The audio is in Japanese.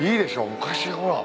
昔ほら。